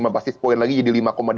basis point lagi jadi lima dua puluh lima